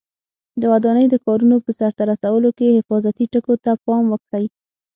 د ودانۍ د کارونو په سرته رسولو کې حفاظتي ټکو ته پام وکړئ.